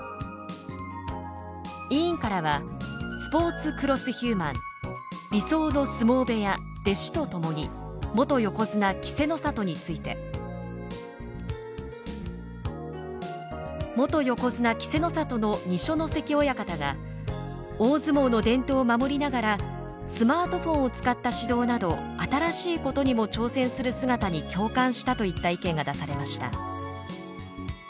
委員からはスポーツ×ヒューマン「理想の相撲部屋弟子とともに元横綱稀勢の里」について「元横綱稀勢の里の二所ノ関親方が大相撲の伝統を守りながらスマートフォンを使った指導など新しいことにも挑戦する姿に共感した」といった意見が出されました。